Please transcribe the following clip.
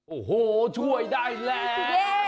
โอ้โหช่วยได้แล้ว